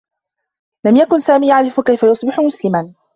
لم يكن سامي يعرف كيف يصبح مسلما.